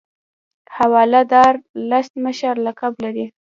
حواله دار لس مشر لقب لري.